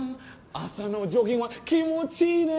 朝のジョギングは気持ちいいね。